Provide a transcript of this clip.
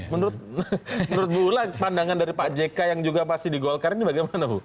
menurut bu ula pandangan dari pak jk yang juga pasti di golkar ini bagaimana bu